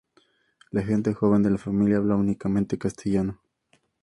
La gente joven de la familia habla únicamente castellano.